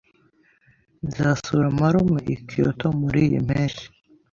Nzasura marume i Kyoto muriyi mpeshyi